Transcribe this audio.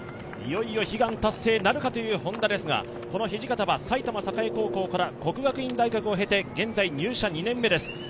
いよいよ悲願達成なるかというＨｏｎｄａですが、この土方は埼玉栄高校から國學院大学を出て、今、入社２年目です。